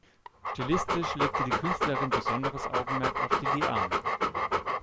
Stilistisch legte die Künstlerin besonderes Augenmerk auf die Lianen.